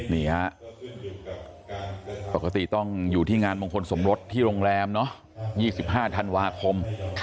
นี่ฮะปกติต้องอยู่ที่งานมงคลสมรสที่โรงแรม๒๕ธันวาคม